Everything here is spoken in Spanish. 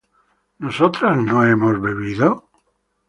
¿nosotras no hemos bebido?